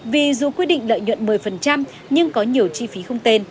vì dù quyết định lợi nhuận một mươi nhưng có nhiều chi phí không tên